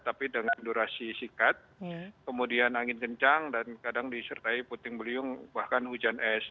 tapi dengan durasi singkat kemudian angin kencang dan kadang disertai puting beliung bahkan hujan es